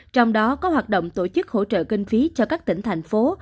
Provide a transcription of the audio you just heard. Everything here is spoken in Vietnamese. trong đó có hoạt động tổ chức hỗ trợ kinh phí cho các tỉnh thành phố